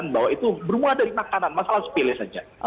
bahwa itu bermula dari makanan masalah sepilih saja